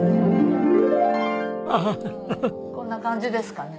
こんな感じですかね？